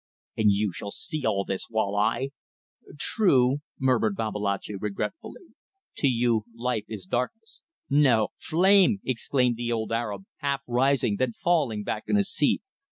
"And you shall see all this, while, I ..." "True!" murmured Babalatchi, regretfully. "To you life is darkness." "No! Flame!" exclaimed the old Arab, half rising, then falling back in his seat.